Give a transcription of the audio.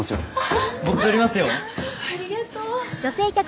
ありがとう。